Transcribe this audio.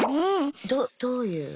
どどういう？